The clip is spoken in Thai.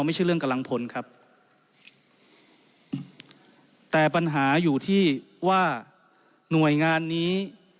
ไม่ใช่เรื่องกำลังพลครับแต่ปัญหาอยู่ที่ว่าหน่วยงานนี้